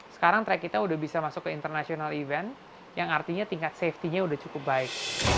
sekarang track kita sudah bisa masuk ke international event yang artinya tingkat safety nya udah cukup baik